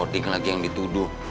oh denger lagi yang dituduh